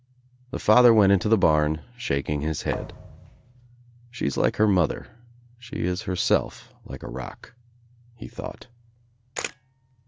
The father went into the barn shaking his head. "She's like her mother. She is herself like a rock," he thought.